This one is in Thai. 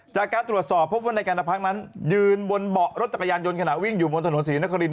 จากการตรวจสอบพบว่าในการพักนั้นยืนบนเบาะรถจักรยานยนต์ขณะวิ่งอยู่บนถนนศรีนคริน